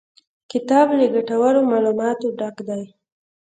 کتاب له ګټورو معلوماتو ډک دی.